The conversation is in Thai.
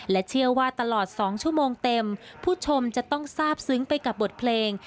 เชื่อว่าตลอด๒ชั่วโมงเต็มผู้ชมจะต้องทราบซึ้งไปกับบทเพลง